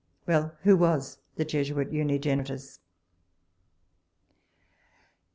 Well, who was the Jesuit Unigenitus?